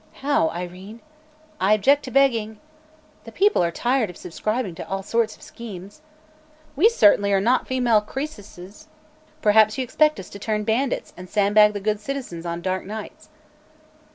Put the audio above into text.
"How, Irene?" "I object to begging." "The people are tired of subscribing to all sorts of schemes." "We certainly are not female Croesuses!" "Perhaps you expect us to turn bandits and sandbag the good citizens on dark nights."